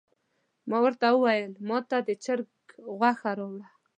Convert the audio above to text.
ما ورته وویل ماته د چرګ غوښه راوړه.